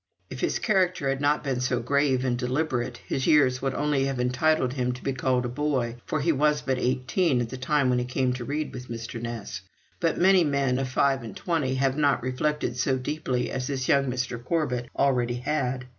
If his character had not been so grave and deliberate, his years would only have entitled him to be called a boy, for he was but eighteen at the time when he came to read with Mr. Ness. But many men of five and twenty have not reflected so deeply as this young Mr. Corbet already had.